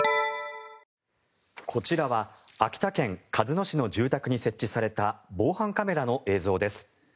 こちらは秋田県鹿角市の住宅に設置された防犯カメラの映像です。